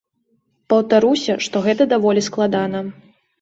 Паўтаруся, што гэта даволі складана.